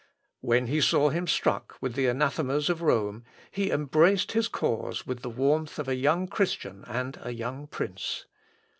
When he saw him struck with the anathemas of Rome, he embraced his cause with the warmth of a young Christian and a young prince.